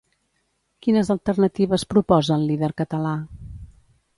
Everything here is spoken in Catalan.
Quines alternatives proposa el líder català?